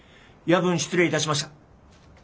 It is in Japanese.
夜分失礼いたしました。